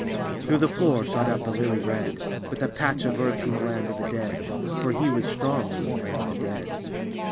Through the floor shot up a lily red. With a patch of earth from the land of the dead. Far he was strong in the land of the dead.